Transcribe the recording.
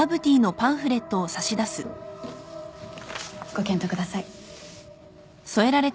ご検討ください。